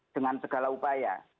dengan segala upaya